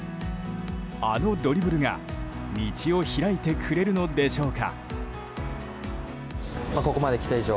あのドリブルが道を開いてくれるのでしょうか。